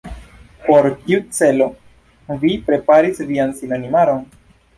Por kiu celo vi preparis vian sinonimaron?